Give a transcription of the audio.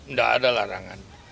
ndak ada larangan